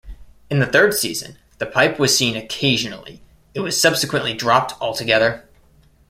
In the third season, the pipe was seen occasionally; it was subsequently dropped altogether.